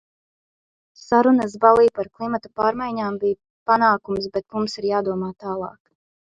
Sarunas Bali par klimata pārmaiņām bija panākums, bet mums ir jādomā tālāk.